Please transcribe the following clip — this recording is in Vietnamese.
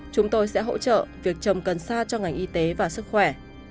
chúng tôi sẽ hỗ trợ việc trồng cần sa cho ngành y tế và sức khỏe